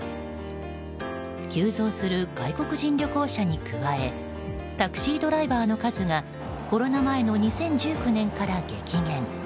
急増する外国人旅行者に加えタクシードライバーの数がコロナ前の２０１９年から激減。